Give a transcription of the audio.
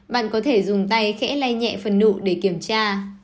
bạn có thể dùng tay khẽ lai nhẹ phần nụ để kiểm tra